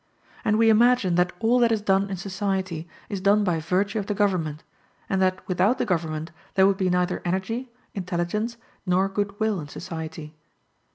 And we imagine that all that is done in society is done by virtue of the government, and that without the government there would be neither energy, intelligence, nor good will in society.